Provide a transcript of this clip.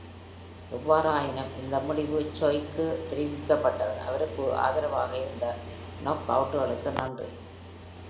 எவ்வாறாயினும், இந்த முடிவு Choi க்கு தெரிவிக்கப்பட்டது. அவருக்கு ஆதரவாக இருந்த நாக் அவுட்களுக்கு நன்றி.